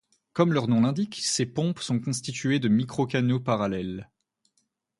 Comme leur nom l'indique, ces pompes sont constituées de microcanaux parallèles.